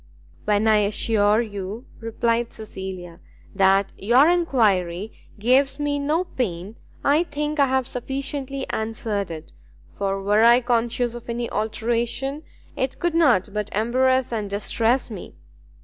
"When I assure you," replied Cecilia, "that your enquiry gives me no pain, I think I have sufficiently answered it, for were I conscious of any alteration, it could not but embarrass and distress me.